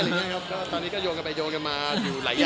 วัฒนธรรพ์ภาพธาตุไทย